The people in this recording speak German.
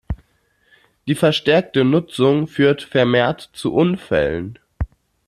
Die verstärkte Nutzung führt vermehrt zu Unfällen.